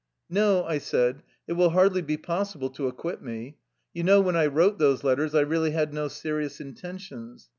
"No," I said, "it will hardly be possible to acquit me. You know when I wrote those let ters, I really had no serious intentions.